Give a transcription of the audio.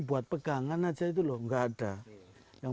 buat pegangan aja itu loh enggak ada yang